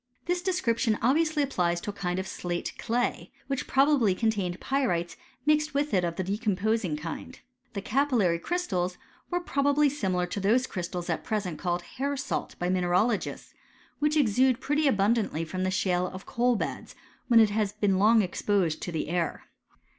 This description obviously applies to a kind of slate clay, which probably contained pyrites mixed with it of the decomposing kind. The capillary cry»A tals were probably similar to those crystals at present called hair salt by mineralogists, which exude pretM* abundantly from the shale of the coal beds, when it has been long exposed to the air.